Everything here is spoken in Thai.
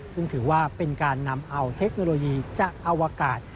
ซึ่งถือว่าเป็นการนำเอาเทคโนโลยีจากอวกาศ